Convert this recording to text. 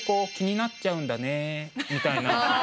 みたいな。